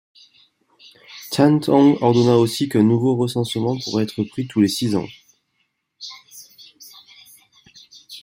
Thánh Tông ordonna aussi qu'un nouveau recensement pourrait être pris tous les six ans.